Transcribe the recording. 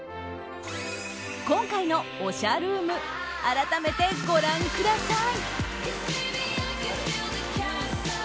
今回のおしゃルーム改めてご覧ください。